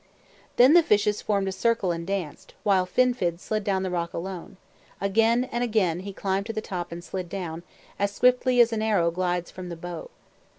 Then the fishes formed a circle and danced, while Fin fin slid down the rock alone. Again and again he climbed to the top and slid down, as swiftly as an arrow glides from the bow.